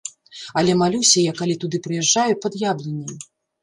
Але малюся я, калі туды прыязджаю, пад яблыняй.